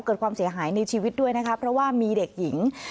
เกิดความเสียหายในชีวิตด้วยนะคะเพราะว่ามีเด็กหญิง